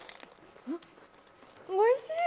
おいしい！